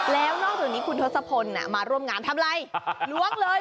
แล้วนอกจากนี้คุณทศพลมาร่วมงานทำอะไรล้วงเลย